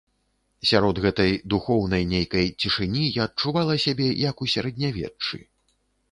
Сярод гэтай, духоўнай нейкай, цішыні я адчувала сябе, як у сярэднявеччы.